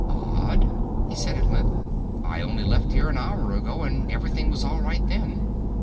"Odd," he said at length. "I only left here an hour ago and everything was all right then."